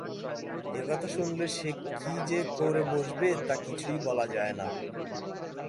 এ কথা শুনলে সে কী যে করে বসবে তা কিছুই বলা যায় না।